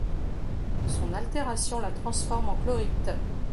Son altération la transforme en chlorite.